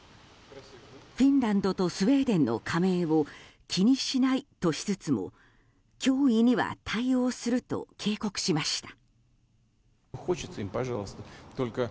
フィンランドとスウェーデンの加盟を気にしないとしつつも脅威には対応すると警告しました。